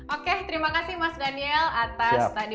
oke terima kasih mas daniel atas tadi